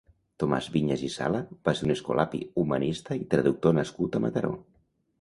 Tomàs Viñas i Sala va ser un escolapi, humanista i traductor nascut a Mataró.